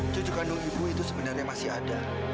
cucu kandung ibu itu sebenarnya masih ada